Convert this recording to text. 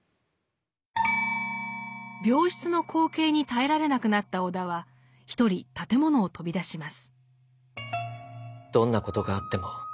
病室の光景に耐えられなくなった尾田は一人建物を飛び出します。